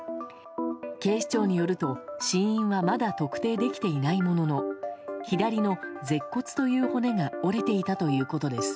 警視庁によると、死因はまだ特定できていないものの左の舌骨という骨が折れていたということです。